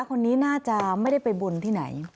คนนี้น่าจะไม่ได้ไปบนที่ไหน